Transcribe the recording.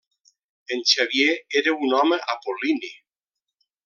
En Xavier era un home apol·lini.